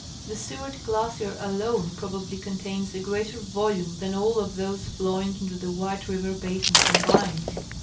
The Seward glacier alone probably contains a greater volume than all of those flowing into the White river basin combined.